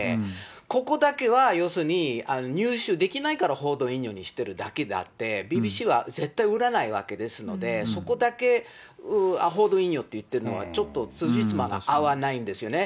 ここだけは要するに、入手できないから報道引用にしてるだけであって、ＢＢＣは絶対売らないわけですので、そこだけ報道引用って言ってるのは、ちょっとつじつまが合わないんですよね。